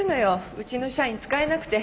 ウチの社員使えなくて。